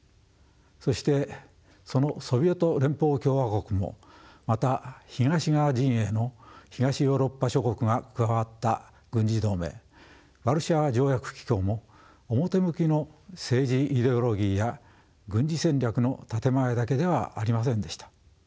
そしてそのソビエト連邦共和国もまた東側陣営の東ヨーロッパ諸国が加わった軍事同盟ワルシャワ条約機構も表向きの政治イデオロギーや軍事戦略の建て前だけではありませんでした。